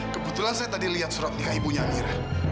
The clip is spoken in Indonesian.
kebetulan saya tadi lihat surat nikah ibunya amira